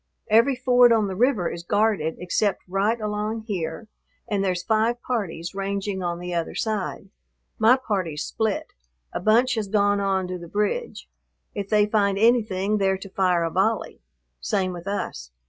Every ford on the river is guarded except right along here, and there's five parties ranging on the other side. My party's split, a bunch has gone on to the bridge. If they find anything they're to fire a volley. Same with us.